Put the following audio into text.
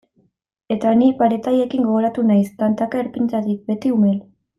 Eta ni pareta haiekin gogoratu naiz, tantaka erpinetatik, beti umel.